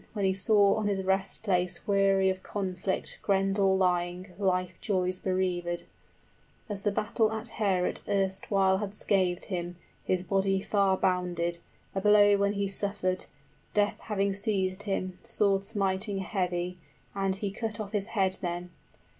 } When he saw on his rest place weary of conflict Grendel lying, of life joys bereavèd, 30 As the battle at Heorot erstwhile had scathed him; His body far bounded, a blow when he suffered, Death having seized him, sword smiting heavy, And he cut off his head then.